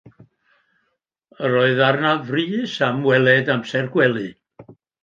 Yr oedd arnaf frys am weled amser gwely.